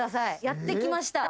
やって来ました。